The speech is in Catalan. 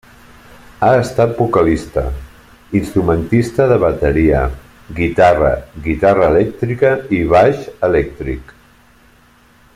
Ha estat vocalista, instrumentista de bateria, guitarra, guitarra elèctrica i baix elèctric.